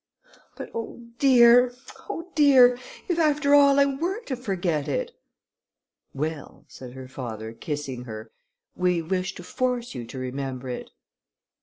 "But, oh dear! oh dear! if after all I were to forget it!" "Well," said her father, kissing her, "we wish to force you to remember it."